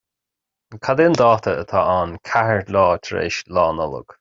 Cad é an dáta atá ann ceathair lá tar éis Lá Nollag?